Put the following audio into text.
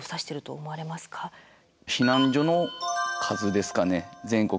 避難所の数ですかね。